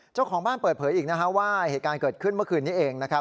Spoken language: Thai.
เจ้าของบ้านเปิดเผยอีกนะฮะว่าเหตุการณ์เกิดขึ้นเมื่อคืนนี้เองนะครับ